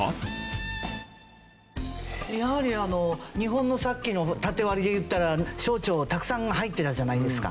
やはり日本のさっきのタテ割りでいったら省庁がたくさん入ってたじゃないですか。